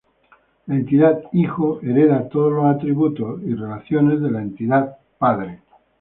La entidad "hijo" hereda todos los atributos y relaciones de la entidad "padre".